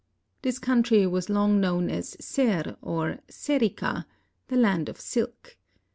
This country was long known as Ser, or Serica — the land of silk.